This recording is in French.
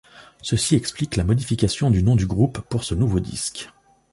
Ceci explique la modification du nom du groupe pour ce nouveau disque.